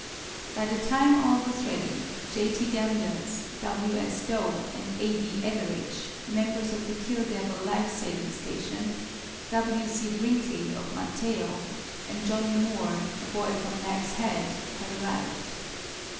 By the time all was ready, J. T. Daniels, W. S. Dough and A. D. Etheridge, members of the Kill Devil Life Saving Station; W. C. Brinkley, of Manteo, and Johnny Moore, a boy from Nag's Head, had arrived.